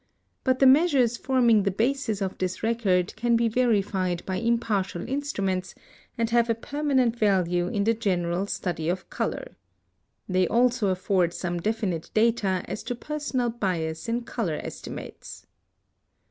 But the measures forming the basis of this record can be verified by impartial instruments, and have a permanent value in the general study of color. They also afford some definite data as to personal bias in color estimates.